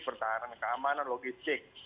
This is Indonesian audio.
pertahanan keamanan logistik